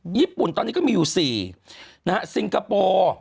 ญี่ปุ่นตอนนี้ก็มีอยู่๔นะฮะซิงคโปร์